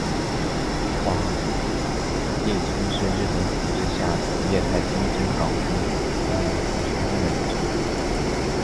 广地村是日本统治下的桦太厅真冈郡的已不存在的一村。